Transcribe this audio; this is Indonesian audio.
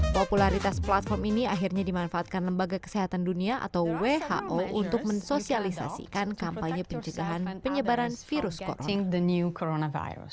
popularitas platform ini akhirnya dimanfaatkan lembaga kesehatan dunia atau who untuk mensosialisasikan kampanye pencegahan penyebaran virus coronavirus